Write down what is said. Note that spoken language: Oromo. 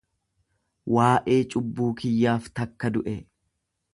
Waa'ee cubbuu kiyyaaf takka du'e.